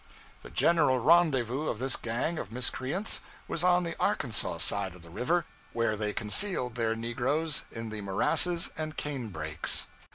The general rendezvous of this gang of miscreants was on the Arkansas side of the river, where they concealed their negroes in the morasses and cane brakes.